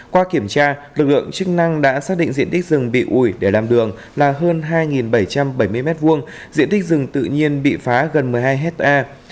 qua kiểm tra lực lượng chức năng đã xác định diện tích rừng bị ủi để làm đường là hơn hai bảy trăm bảy mươi m hai diện tích rừng tự nhiên bị phá gần một mươi hai hectare